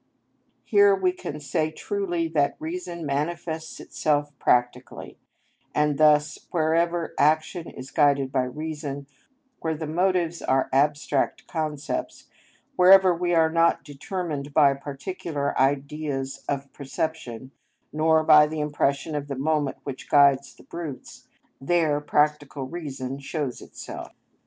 Here we can say truly that reason manifests itself practically, and thus wherever action is guided by reason, where the motives are abstract concepts, wherever we are not determined by particular ideas of perception, nor by the impression of the moment which guides the brutes, there practical reason shows itself.